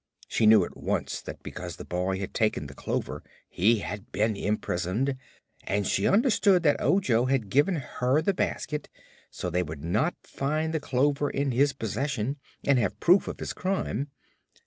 She knew at once that because the boy had taken the clover he had been imprisoned, and she understood that Ojo had given her the basket so they would not find the clover in his possession and have proof of his crime.